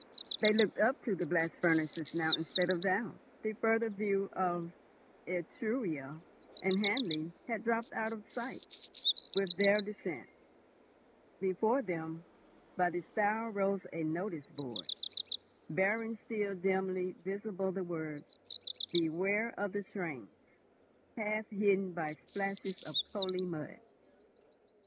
They looked up to the blast furnaces now instead of down; the further view of Etruria and Hanley had dropped out of sight with their descent. Before them, by the stile rose a notice board, bearing still dimly visible, the words, "BEWARE OF THE TRAINS," half hidden by splashes of coaly mud.